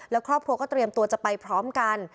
แล้วครอบครัวก็เตรียมตัวจะไปพร้อมกัน